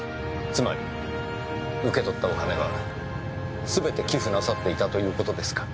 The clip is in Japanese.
つまり受け取ったお金はすべて寄付なさっていたという事ですか？